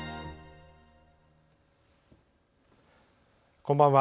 こんばんは。